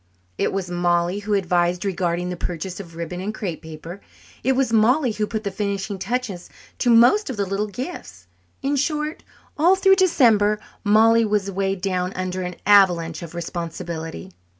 It was Mollie who advised regarding the purchase of ribbon and crepe paper. It was Mollie who put the finishing touches to most of the little gifts. In short, all through December Mollie was weighed down under an avalanche of responsibility.